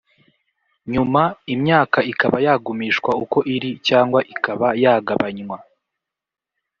nyuma imyaka ikaba yagumishwa uko iri cyangwa ikaba yagabanywa